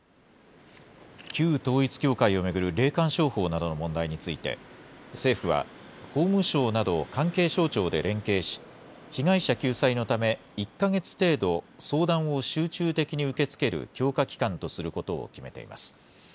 旧統一教会を巡る霊感商法などの問題について、政府は、法務省など関係省庁で連携し、被害者救済のため、１か月程度、相談を集中的に受け付ける強化期間とすることを決めています。